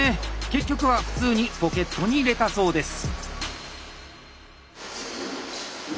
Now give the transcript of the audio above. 結局は普通にポケットに入れたそうです。